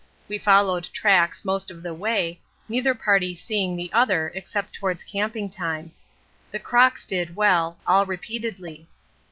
We followed tracks most of the way, neither party seeing the other except towards camping time. The crocks did well, all repeatedly.